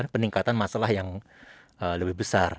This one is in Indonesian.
peningkatan masalah yang lebih besar